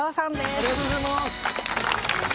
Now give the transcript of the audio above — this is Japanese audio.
ありがとうございます。